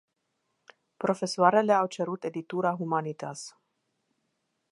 Profesoarele au cerut editura Humanitas.